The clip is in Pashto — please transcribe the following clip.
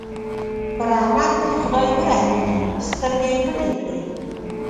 پر احمد دې خدای ورحمېږي؛ سترګې يې پټې کړې.